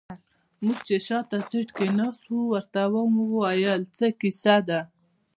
موږ چې شاته سيټ کې ناست وو ورته ومو ويل څه کيسه ده.